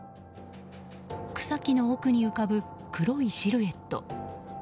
草木の奥に浮かぶ黒いシルエット。